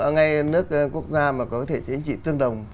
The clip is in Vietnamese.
ngay nước quốc gia mà có thể chính trị tương đồng